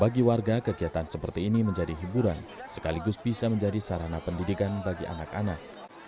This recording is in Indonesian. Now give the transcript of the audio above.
bagi warga kegiatan seperti ini menjadi hiburan sekaligus bisa menjadi sarana pendidikan bagi anak anak